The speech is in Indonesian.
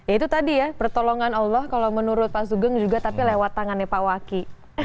itu tadi ya pertolongan allah kalau menurut pak sugeng juga tapi lewat tangannya pak waki